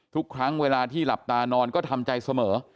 ทุกครั้งเวลาที่หลับตานอนก็ทำใจเสมอ